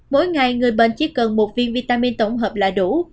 mỗi ngày người bệnh chỉ cần một viên vitamin tổng hợp là đủ